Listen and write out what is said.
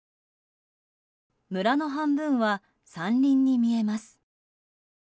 村の半分は山林に見えます。